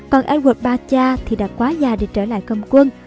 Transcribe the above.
còn edward iii cha thì đã quá già để trở lại công quân